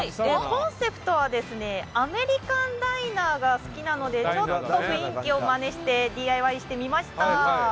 コンセプトはアメリカンダイナーが好きなのでちょっと雰囲気をまねしてＤＩＹしてみました。